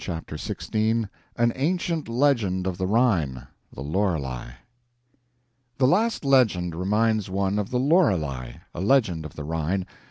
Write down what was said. CHAPTER XVI An Ancient Legend of the Rhine [The Lorelei] The last legend reminds one of the "Lorelei" a legend of the Rhine.